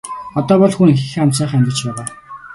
Одоо бол хүү нь эхийнхээ хамт сайхан амьдарч байгаа.